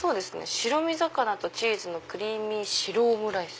白身魚とチーズのクリーミー白オムライス。